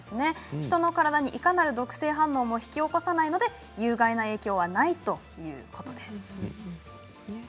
人の体にいかなる毒性反応も引き起こさないので有害な影響はないということです。